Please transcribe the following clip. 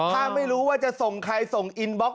ถ้าไม่รู้ว่าจะส่งใครส่งอินบล็อก